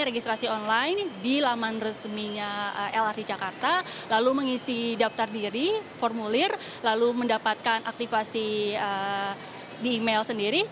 registrasi online di laman resminya lrt jakarta lalu mengisi daftar diri formulir lalu mendapatkan aktivasi di email sendiri